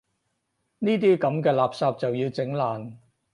呢啲噉嘅垃圾就要整爛